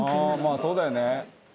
「まあそうだよね」